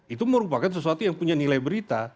itu merupakan sesuatu yang punya nilai berita